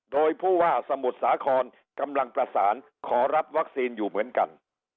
โดยผู้ว่าสมุทรสาครกำลังประสานขอรับวัคซีนอยู่เหมือนกัน